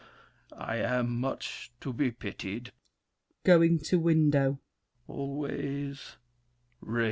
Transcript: I am much to be pitied. [Going to window. Always rain.